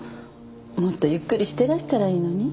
もっとゆっくりしてらしたらいいのに。